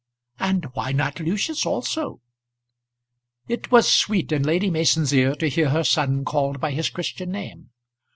"And why not Lucius also?" It was sweet in Lady Mason's ear to hear her son called by his Christian name.